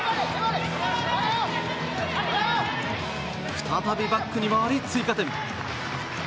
再びバックに回り追加点。